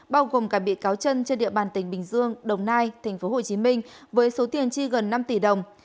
bao gồm cả bị cáo chân trên địa bàn tỉnh bình dương đồng nai tp hcm với số tiền chi gần năm tỷ đồng